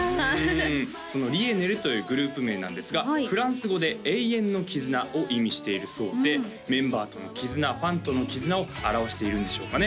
うんそのＬｉｅｎｅｌというグループ名なんですがフランス語で「永遠の絆」を意味しているそうでメンバーとの絆ファンとの絆を表しているんでしょうかね